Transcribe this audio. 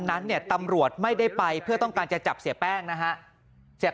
นั้นเนี่ยตำรวจไม่ได้ไปเพื่อต้องการจะจับเสียแป้งนะฮะเสีย